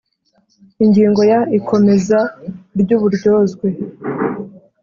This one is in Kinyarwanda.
Ingingo ya Ikomeza ry uburyozwe